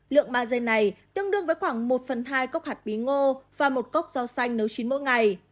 lượng ba g này tương đương với khoảng một phần hai cốc hạt bí ngô và một cốc rau xanh nấu chín mỗi ngày